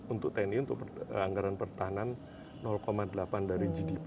untuk tni untuk anggaran pertahanan delapan dari gdp